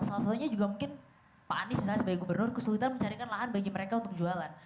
salah satunya juga mungkin pak anies misalnya sebagai gubernur kesulitan mencarikan lahan bagi mereka untuk jualan